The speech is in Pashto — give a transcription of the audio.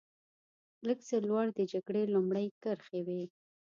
لږ څه لوړ د جګړې لومړۍ کرښې وې.